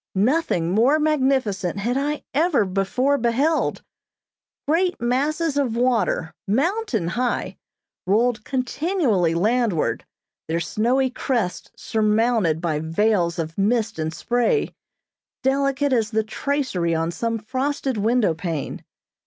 Nothing more magnificent had I ever before beheld. Great masses of water, mountain high, rolled continually landward, their snowy crests surmounted by veils of mist and spray, delicate as the tracery on some frosted window pane.